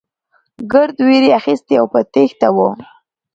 ګرد وېرې اخيستي او په تېښته وو.